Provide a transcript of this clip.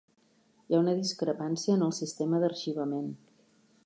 Hi ha una discrepància en el sistema d'arxivament.